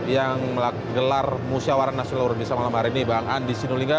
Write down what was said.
yang gelar musyawaran nasional urbis malam hari ini bang andi sinulingga